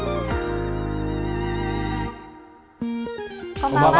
こんばんは。